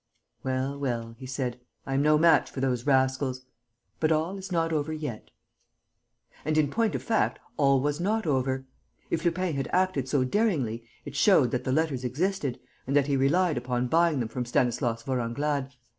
"Well, well," he said, "I am no match for those rascals. But all is not over yet." And, in point of fact, all was not over. If Lupin had acted so daringly, it showed that the letters existed and that he relied upon buying them from Stanislas Vorenglade.